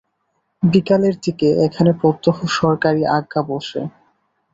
বিকালের দিকে এখানে প্রত্যহ সরকারি আজ্ঞা বসে।